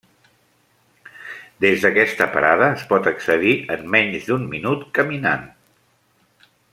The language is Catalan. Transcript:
Des d'aquesta parada es pot accedir, en menys d'un minut caminant.